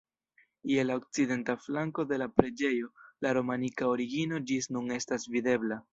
Je la okcidenta flanko de la preĝejo la romanika origino ĝis nun estas videbla.